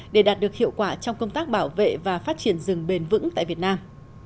để đạt được hiệu quả trong công tác bảo vệ và phát triển rừng bền vững tại việt nam